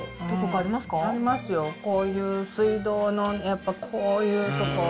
ありますよ、こういう水道の、やっぱこういうとこ。